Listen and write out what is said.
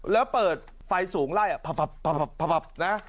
แล้วเปิดไฟสูงไล่นะ